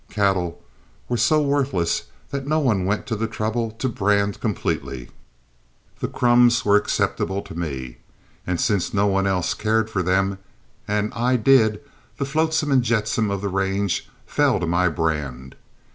Cattle were so worthless that no one went to the trouble to brand completely; the crumbs were acceptable to me, and, since no one else cared for them and I did, the flotsam and jetsam of the range fell to my brand.